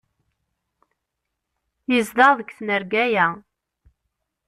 Yezdeɣ deg tnarga-ya.